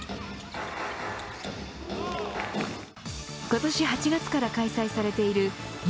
今年８月から開催されているＵ１８